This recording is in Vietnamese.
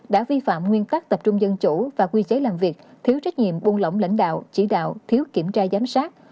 đã vi phạm nguyên tắc tập trung dân chủ và quy chế làm việc thiếu trách nhiệm buông lỏng lãnh đạo chỉ đạo thiếu kiểm tra giám sát